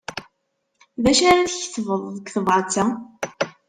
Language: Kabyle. D acu ara tketbeḍ deg tebṛat-a?